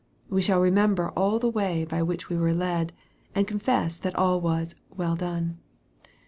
We shall remember all the way by which we were led, and confess that all was " well done."